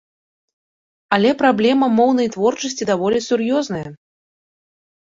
Але праблема моўнай творчасці даволі сур'ёзная.